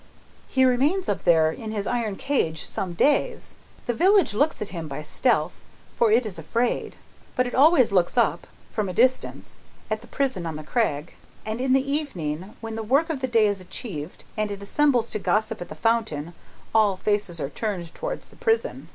"He remains up there in his iron cage some days. The village looks at him by stealth, for it is afraid. But it always looks up, from a distance, at the prison on the crag; and in the evening, when the work of the day is achieved and it assembles to gossip at the fountain, all faces are turned towards the prison.